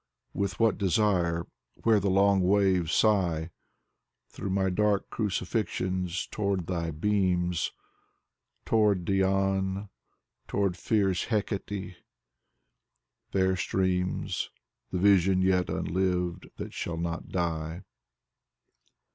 With what desire, where the long waves sigh. Through my dark crucifixions, toward thy beams. Toward Dian, toward fierce Hecate, there streams The vision yet unlived that shall not die.